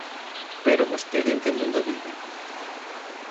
¿Pero vostede en que mundo vive?